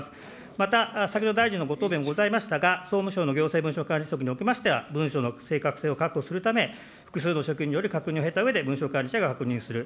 また先ほど、大臣のご答弁にございましたが、総務省の行政文書管理につきましては文書の正確性を確保するため、複数の職員による確認を経たうえで、文書管理者が確認をする。